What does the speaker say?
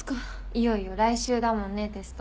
いよいよ来週だもんねテスト。